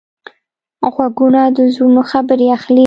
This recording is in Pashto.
غوږونه د زړونو خبرې اخلي